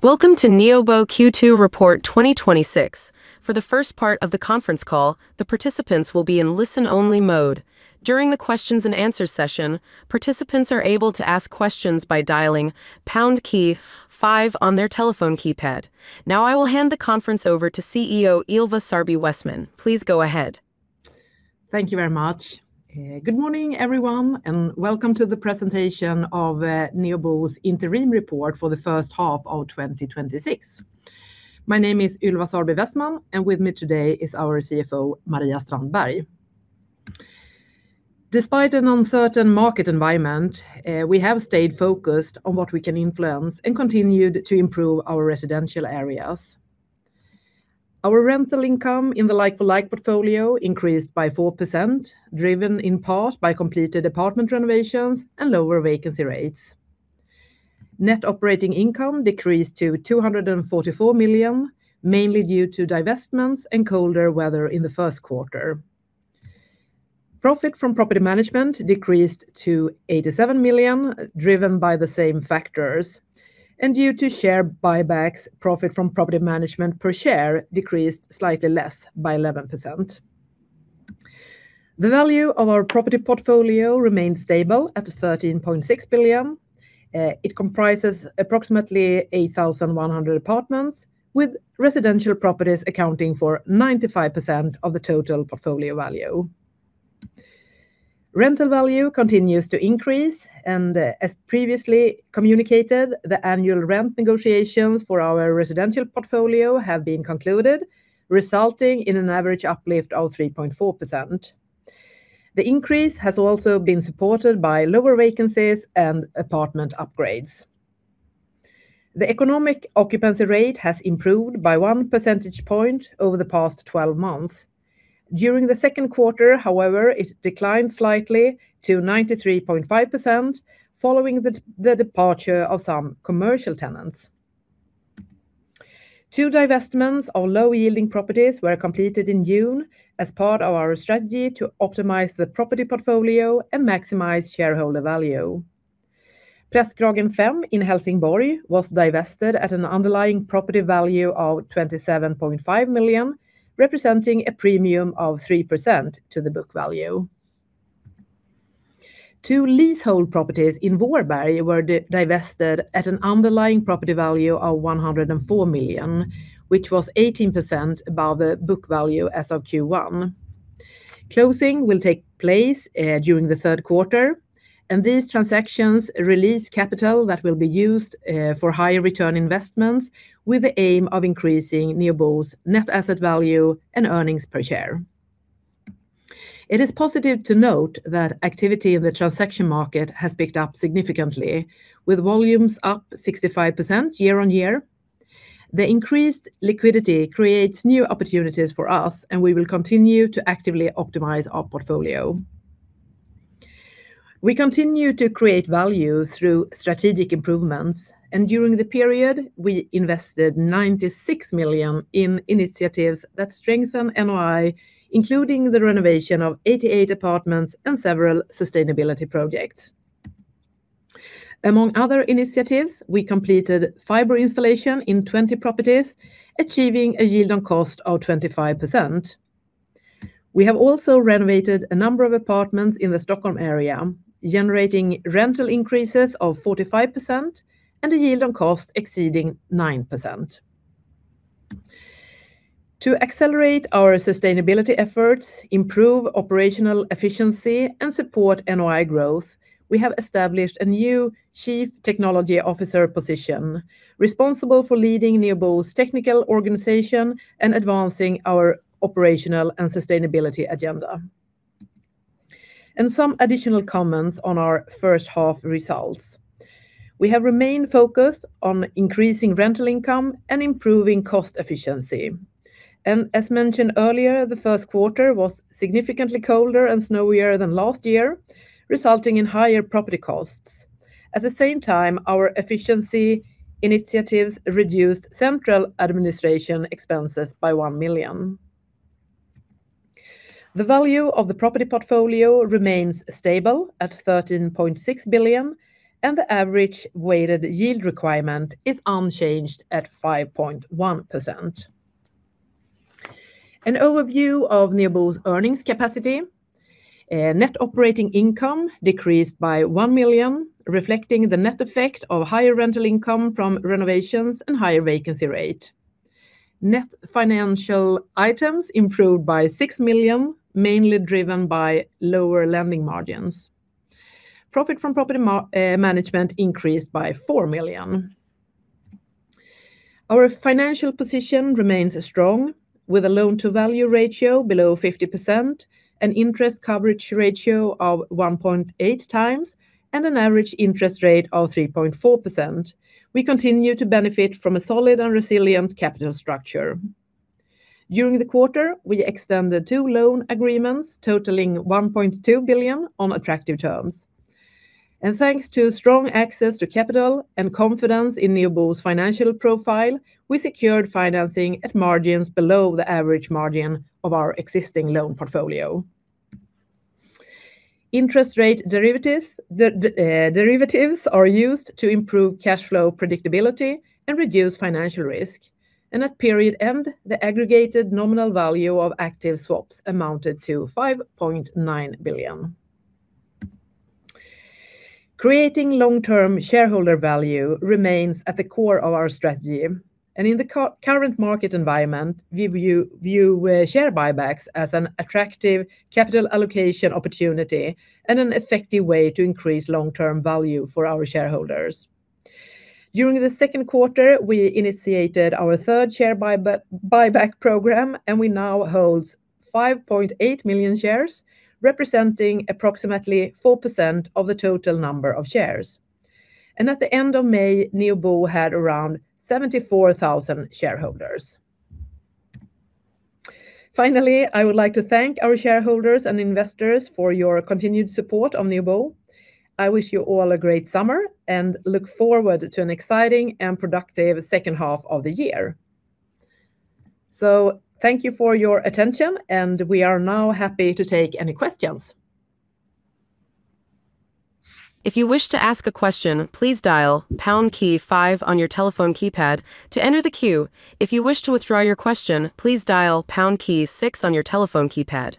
Welcome to Neobo Q2 Report 2026. For the first part of the conference call, the participants will be in listen-only mode. During the questions and answers session, participants are able to ask questions by dialing pound key five on their telephone keypad. Now I will hand the conference over to CEO Ylva Sarby Westman. Please go ahead. Thank you very much. Good morning, everyone, and welcome to the presentation of Neobo's interim report for the first half of 2026. My name is Ylva Sarby Westman, and with me today is our CFO, Maria Strandberg. Despite an uncertain market environment, we have stayed focused on what we can influence and continued to improve our residential areas. Our rental income in the like-for-like portfolio increased by 4%, driven in part by completed apartment renovations and lower vacancy rates. Net operating income decreased to 244 million, mainly due to divestments and colder weather in the first quarter. Profit from property management decreased to 87 million, driven by the same factors. Due to share buybacks, profit from property management per share decreased slightly less by 11%. The value of our property portfolio remained stable at 13.6 billion. It comprises approximately 8,100 apartments, with residential properties accounting for 95% of the total portfolio value. Rental value continues to increase, as previously communicated, the annual rent negotiations for our residential portfolio have been concluded, resulting in an average uplift of 3.4%. The increase has also been supported by lower vacancies and apartment upgrades. The economic occupancy rate has improved by one percentage point over the past 12 months. During the second quarter, however, it declined slightly to 93.5%, following the departure of some commercial tenants. Two divestments of low-yielding properties were completed in June as part of our strategy to optimize the property portfolio and maximize shareholder value. Prästkragen 5 in Helsingborg was divested at an underlying property value of 27.5 million, representing a premium of 3% to the book value. Two leasehold properties in Varberg were divested at an underlying property value of 104 million, which was 18% above the book value as of Q1. Closing will take place during the third quarter. These transactions release capital that will be used for higher return investments with the aim of increasing Neobo's net asset value and earnings per share. It is positive to note that activity in the transaction market has picked up significantly, with volumes up 65% year on year. The increased liquidity creates new opportunities for us. We will continue to actively optimize our portfolio. We continue to create value through strategic improvements. During the period, we invested 96 million in initiatives that strengthen NOI, including the renovation of 88 apartments and several sustainability projects. Among other initiatives, we completed fiber installation in 20 properties, achieving a yield on cost of 25%. We have also renovated a number of apartments in the Stockholm area, generating rental increases of 45% and a yield on cost exceeding 9%. To accelerate our sustainability efforts, improve operational efficiency, and support NOI growth, we have established a new Chief Technology Officer position responsible for leading Neobo's technical organization and advancing our operational and sustainability agenda. Some additional comments on our first half results. We have remained focused on increasing rental income and improving cost efficiency. As mentioned earlier, the first quarter was significantly colder and snowier than last year, resulting in higher property costs. At the same time, our efficiency initiatives reduced central administration expenses by 1 million. The value of the property portfolio remains stable at 13.6 billion, and the average weighted yield requirement is unchanged at 5.1%. An overview of Neobo's earnings capacity. Net operating income decreased by 1 million, reflecting the net effect of higher rental income from renovations and higher vacancy rate. Net financial items improved by 6 million, mainly driven by lower lending margins. Profit from property management increased by 4 million. Our financial position remains strong with a loan-to-value ratio below 50%, an interest coverage ratio of 1.8 times, and an average interest rate of 3.4%. We continue to benefit from a solid and resilient capital structure. During the quarter, we extended two loan agreements totaling 1.2 billion on attractive terms. Thanks to strong access to capital and confidence in Neobo's financial profile, we secured financing at margins below the average margin of our existing loan portfolio. Interest rate derivatives are used to improve cash flow predictability and reduce financial risk. At period end, the aggregated nominal value of active swaps amounted to 5.9 billion. Creating long-term shareholder value remains at the core of our strategy. In the current market environment, we view share buybacks as an attractive capital allocation opportunity and an effective way to increase long-term value for our shareholders. During the second quarter, we initiated our third share buyback program, and we now hold 5.8 million shares, representing approximately 4% of the total number of shares. At the end of May, Neobo had around 74,000 shareholders. Finally, I would like to thank our shareholders and investors for your continued support of Neobo. I wish you all a great summer and look forward to an exciting and productive second half of the year. Thank you for your attention, and we are now happy to take any questions. If you wish to ask a question, please dial pound key five on your telephone keypad to enter the queue. If you wish to withdraw your question, please dial pound key six on your telephone keypad.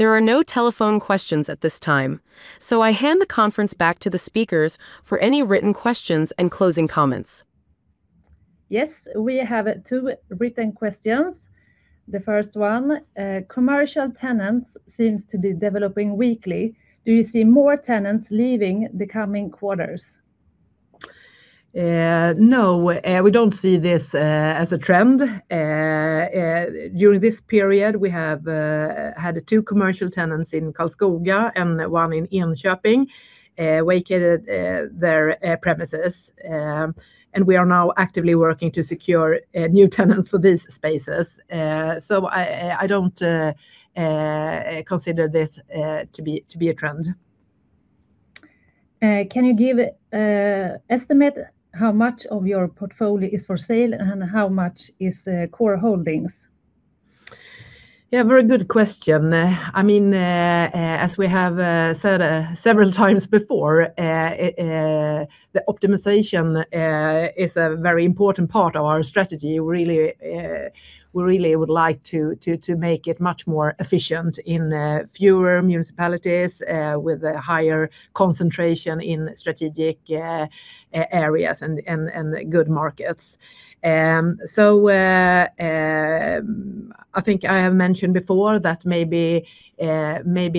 There are no telephone questions at this time. I hand the conference back to the speakers for any written questions and closing comments. Yes, we have two written questions. The first one, commercial tenants seem to be developing weakly. Do you see more tenants leaving the coming quarters? No, we don't see this as a trend. During this period, we have had two commercial tenants in Karlskoga and one in Enköping vacated their premises. We are now actively working to secure new tenants for these spaces. I don't consider this to be a trend. Can you give an estimate how much of your portfolio is for sale and how much are core holdings? Very good question. As we have said several times before, the optimization is a very important part of our strategy. We really would like to make it much more efficient in fewer municipalities with a higher concentration in strategic areas and good markets. I think I have mentioned before that maybe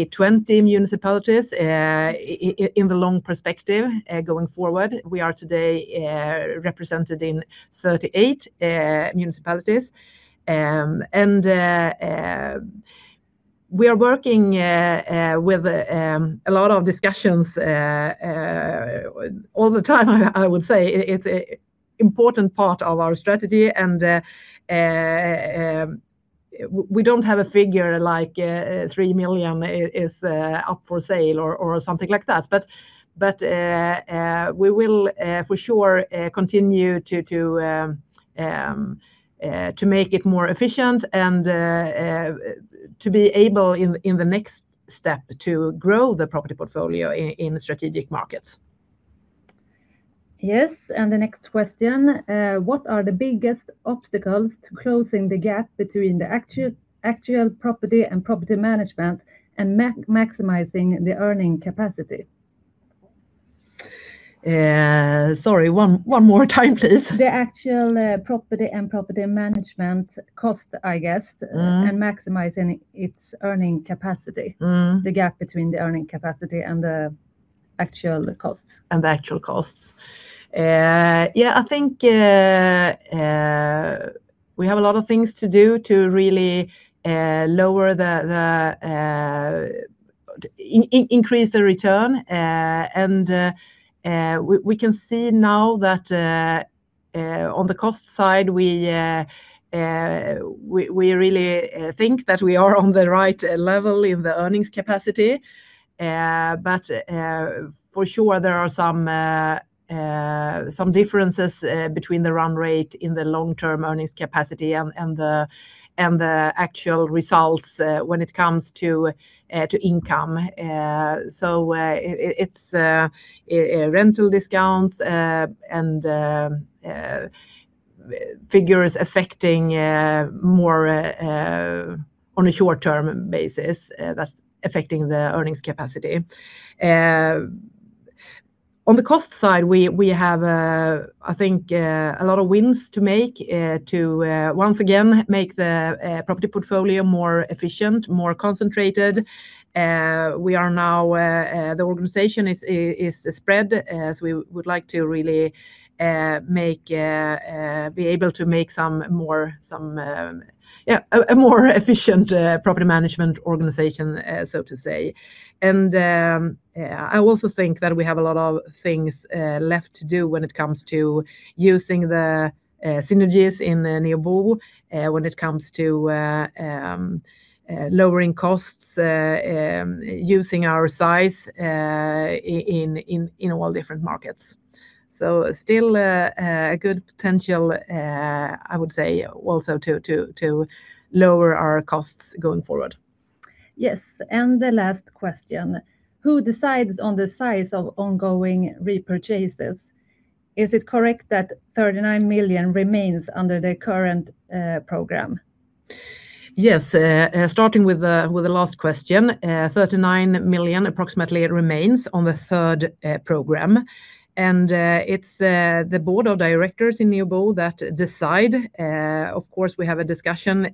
20 municipalities in the long perspective going forward. We are today represented in 38 municipalities. We are working with a lot of discussions all the time, I would say. It's an important part of our strategy. We don't have a figure like 3 million is up for sale or something like that. We will for sure continue to make it more efficient and to be able in the next step to grow the property portfolio in strategic markets. Yes. The next question, what are the biggest obstacles to closing the gap between the actual property and property management and maximizing the earning capacity? Sorry, one more time, please. The actual property and property management cost, I guess. Maximizing its earning capacity. The gap between the earning capacity and the actual costs. The actual costs. I think we have a lot of things to do to really increase the return. We can see now that on the cost side; we really think that we are on the right level in the earnings capacity. For sure, there are some differences between the run rate in the long-term earnings capacity and the actual results when it comes to income. It's rental discounts and figures affecting more on a short-term basis that's affecting the earnings capacity. On the cost side, we have I think a lot of wins to make to once again make the property portfolio more efficient, more concentrated. The organization is spread, as we would like to really be able to make a more efficient property management organization, so to say. I also think that we have a lot of things left to do when it comes to using the synergies in Neobo when it comes to lowering costs, using our size in all different markets. Still a good potential, I would say, also to lower our costs going forward. Yes. The last question, who decides on the size of ongoing repurchases? Is it correct that 39 million remains under the current program? Yes. Starting with the last question, 39 million approximately remains on the third program, it's the board of directors in Neobo that decide. Of course, we have a discussion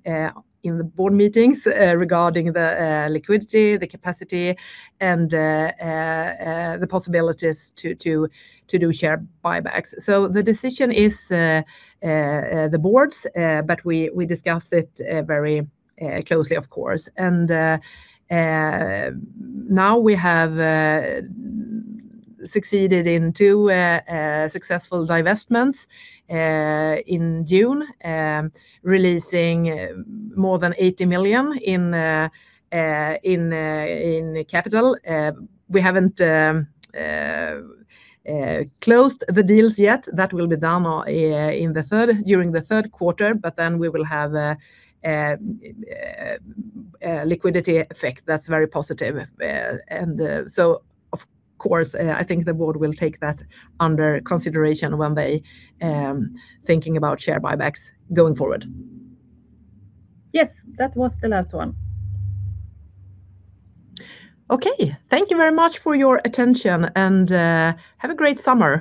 in the board meetings regarding the liquidity, the capacity, and the possibilities to do share buybacks. The decision is the board's, but we discuss it very closely, of course. Now we have succeeded in two successful divestments in June, releasing more than 80 million in capital. We haven't closed the deals yet. That will be done during the third quarter, we will have a liquidity effect that's very positive. Of course, I think the board will take that under consideration when they thinking about share buybacks going forward. Yes, that was the last one. Okay. Thank you very much for your attention and have a great summer.